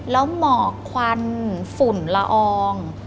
แล้วหมอกควันฝุ่นละออง